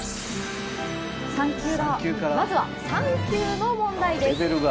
まずは３級の問題です。